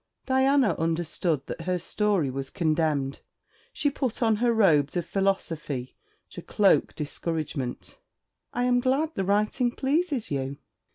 Diana understood that her story was condemned. She put on her robes of philosophy to cloak discouragement. 'I am glad the writing pleases you.'